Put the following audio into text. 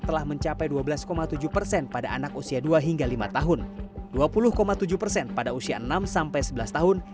telah mencapai dua belas tujuh persen pada anak usia dua hingga lima tahun dua puluh tujuh persen pada usia enam sampai sebelas tahun